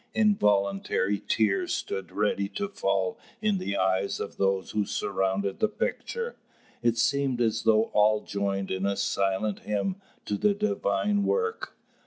Involuntary tears stood ready to fall in the eyes of those who surrounded the picture. It seemed as though all joined in a silent hymn to the divine work.